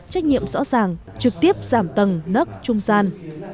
trách nhiệm rõ ràng trực tiếp giảm tầng nớt trung gian